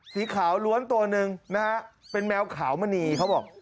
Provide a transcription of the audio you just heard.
สีขาวล้วนตัวหนึ่งนะฮะเป็นแมวขาวมณีเขาบอก